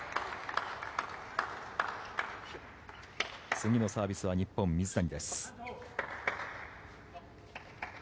次のサービスは日本、水谷。